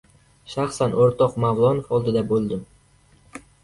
— Shaxsan o‘rtoq Mavlonov oldida bo‘ldim!